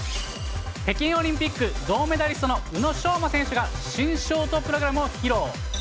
北京オリンピック銅メダリストの宇野昌磨選手が新ショートプログラムを披露。